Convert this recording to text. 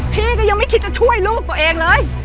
พี่ก็ยังไม่คิดจะช่วยลูกตัวเองเลย